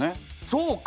そうか。